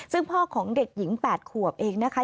ซึ่งพ่อของเด็กหญิง๘ขวบเองนะคะ